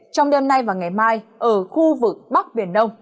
trong đêm nay và ngày mai ở khu vực bắc biển đông